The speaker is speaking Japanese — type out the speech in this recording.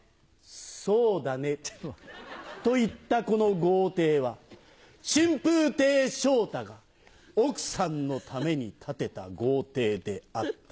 「そうだね」と言ったこの豪邸は春風亭昇太が奥さんのために建てた豪邸であった。